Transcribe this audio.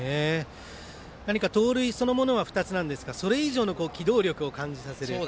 何か盗塁そのものは２つなんですがそれ以上の機動力を感じさせる。